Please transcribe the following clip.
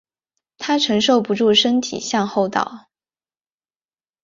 她承受不住身体向后倒